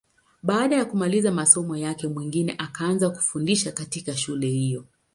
Baada ya kumaliza masomo yake, Mwingine akaanza kufundisha katika shule hiyo.